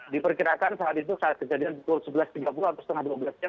diperkirakan saat itu saat kejadian pukul sebelas tiga puluh atau setengah dua belas jam